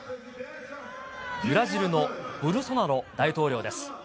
ブラジルのボルソナロ大統領です。